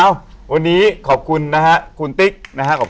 อยู่ที่แม่ศรีวิรัยิลครับ